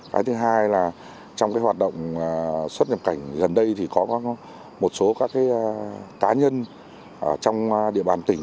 cái thứ hai là trong cái hoạt động xuất nhập cảnh gần đây thì có một số các cá nhân trong địa bàn tỉnh